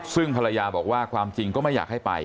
ซึ่งภรรยาบอกว่าความจริงก็ไม่อยากให้ไป